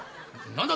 「何だ？